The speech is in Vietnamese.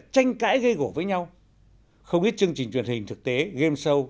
tranh cãi gây gỗ với nhau không ít chương trình truyền hình thực tế game show